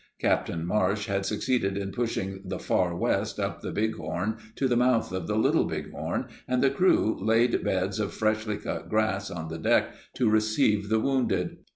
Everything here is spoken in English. Captain Marsh had succeeded in pushing the Far West up the Bighorn to the mouth of the Little Bighorn, and the crew laid beds of freshly cut grass on the deck to receive the wounded.